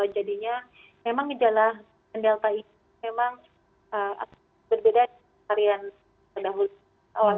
jadinya memang gejala delta ini memang berbeda dari varian pendahulu